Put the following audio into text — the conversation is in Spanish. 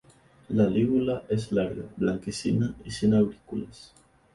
La lígula es larga, blanquecina y sin aurículas.